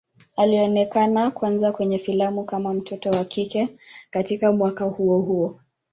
Alionekana kwanza kwenye filamu kama mtoto wa kike katika mwaka huo huo.